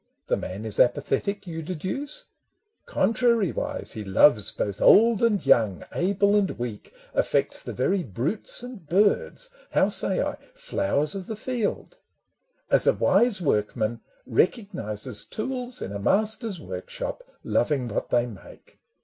The man is apathetic, you deduce? Contrariwise, he loves both old and young, Able and weak, affects the very brutes And birds— how say I ? flowers of the field —. As a wise workman recognizes tools In a master's workshop, loving what they make.